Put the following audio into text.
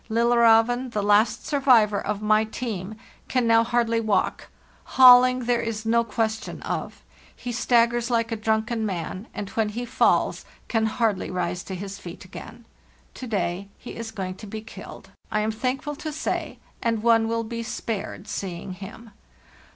'Lillerzeven, the last survivor of my team, can now hardly walk—hauling there is no question of: he stag gers like a drunken man, and when he falls can hardly rise to his feet again. To day he is going to be killed, I am thankful to say, and one will be spared seeing him.